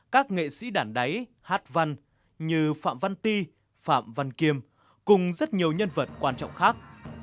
các nghệ sĩ đản đáy hát văn như phạm văn ti phạm văn kiêm cùng rất nhiều nhân vật quan trọng khác